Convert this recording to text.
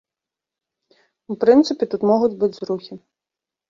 У прынцыпе, тут могуць быць зрухі.